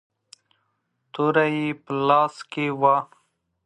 توره يې په لاس کې وه.